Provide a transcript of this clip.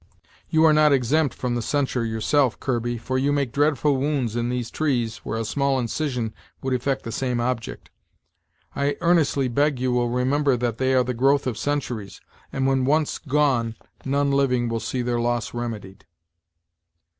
You are not exempt from the censure yourself, Kirby, for you make dreadful wounds in these trees where a small incision would effect the same object. I earnestly beg you will remember that they are the growth of centuries, and when once gone none living will see their loss remedied."